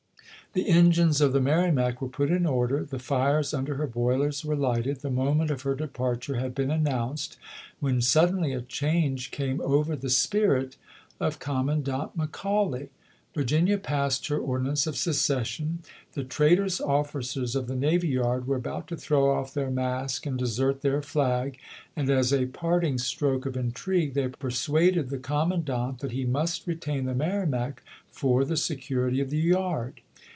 The engines of the Mer rimac were put in order, the fires under her boilers were lighted, the moment of her departure had been announced, when suddenly a change came over the spirit of Commandant McCauley. Vir ginia passed her ordinance of secession ; the trait orous ofiicers of the navy yard were about to throw off their mask and desert their flag; and, as a parting stroke of intrigue, they persuaded the com mandant that he must retain the Merrimac for the security of the yard.